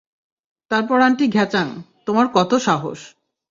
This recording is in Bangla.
তারপর আন্টি ঘ্যাচাং - তোমার কতো সাহস?